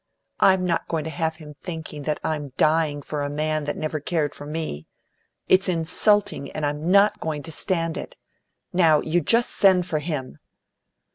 I'm not going to have him thinking that I'm dying for a man that never cared for me. It's insulting, and I'm not going to stand it. Now, you just send for him!"